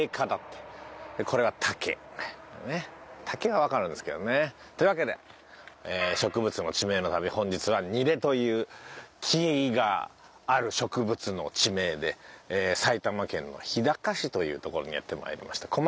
竹はわかるんですけどね。というわけで植物の地名の旅本日は「楡」という木がある植物の地名で埼玉県の日高市というところにやって参りました。